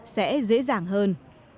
sẽ dễ dàng hơn